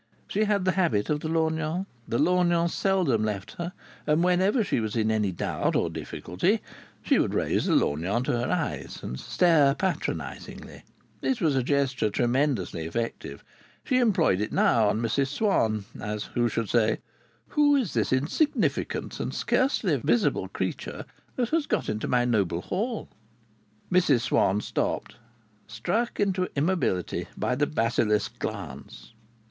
She had the habit of the lorgnon; the lorgnon seldom left her, and whenever she was in any doubt or difficulty she would raise the lorgnon to her eyes and stare patronizingly. It was a gesture tremendously effective. She employed it now on Mrs Swann, as who should say, "Who is this insignificant and scarcely visible creature that has got into my noble hall?" Mrs Swann stopped, struck into immobility by the basilisk glance.